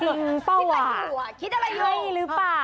จริงป่ะว่ะคิดอะไรอยู่ใช่หรือเปล่า